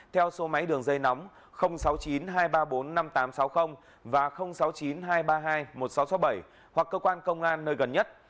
theo số máy đường dây nóng sáu mươi chín hai trăm ba mươi bốn năm nghìn tám trăm sáu mươi và sáu mươi chín hai trăm ba mươi hai một nghìn sáu trăm sáu mươi bảy hoặc cơ quan công an nơi gần nhất